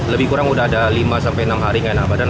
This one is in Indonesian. lebih kurang udah ada lima sampai enam hari nggak enak badan